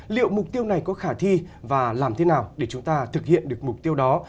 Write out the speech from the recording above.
liệu mục tiêu này có khả thi và làm thế nào để chúng ta thực hiện được mục tiêu đó